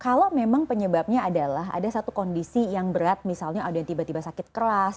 kalau memang penyebabnya adalah ada satu kondisi yang berat misalnya ada yang tiba tiba sakit keras